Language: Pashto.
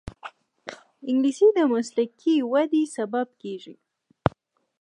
انګلیسي د مسلکي وده سبب کېږي